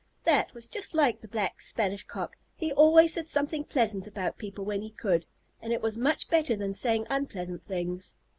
That was just like the Black Spanish Cock. He always said something pleasant about people when he could, and it was much better than saying unpleasant things.